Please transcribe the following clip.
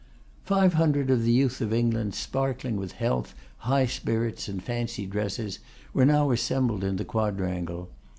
Five hundred of the youth of England, sparkling with health, high spirits, and fancy dresses, were now assembled in the quadrangle.